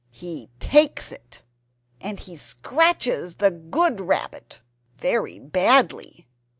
He takes it! And he scratches the good Rabbit very badly.